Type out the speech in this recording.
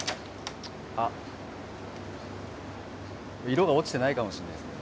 色が落ちてないかもしれないですね。